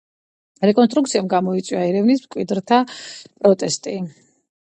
რეკონსტრუქციამ გამოიწვია ერევნის მკვიდრთა პროტესტი.